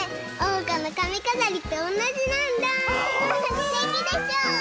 すてきでしょ？